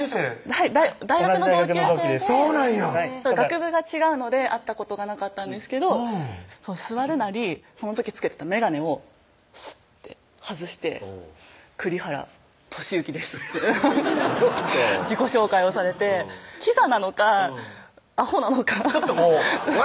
はい大学の同級生でそうなんや学部が違うので会ったことがなかったんですけど座るなりその時着けてた眼鏡をスッて外して「栗原寿幸です」ってちょっと自己紹介をされてキザなのかアホなのかちょっとこう笑